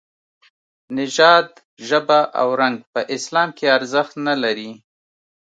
نژاد، ژبه او رنګ په اسلام کې ارزښت نه لري.